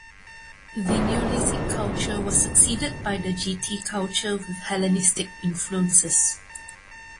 The neolithic culture was succeeded by the Getae culture with Hellenistic influences.